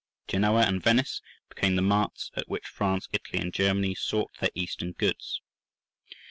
Genoa and Venice became the marts at which France, Italy, and Germany, sought their Eastern goods.